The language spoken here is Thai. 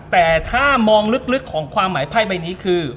แต่ถ้ามองลึกของความหมายไพ่ใบนี้คือ